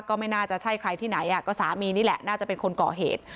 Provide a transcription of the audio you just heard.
ก็ไม่น่าจะใช่ใครที่ไหนก็สามีนี่แหละน่าจะเป็นคนก่อเหตุ